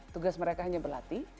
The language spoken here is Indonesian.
tugas mereka hanya berlatih